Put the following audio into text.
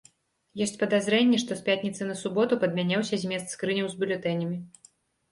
Ёсць падазрэнні, што з пятніцы на суботу падмяняўся змест скрыняў з бюлетэнямі.